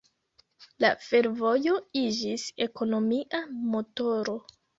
La fervojo iĝis ekonomia motoro.